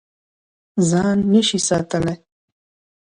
ځان نه شې ساتلی.